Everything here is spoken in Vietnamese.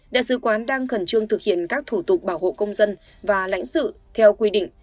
đại sứ quán đang khẩn trương thực hiện các thủ tục bảo hộ công dân và lãnh sự theo quy định